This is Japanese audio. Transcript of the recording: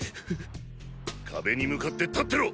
壁に向かって立ってろ！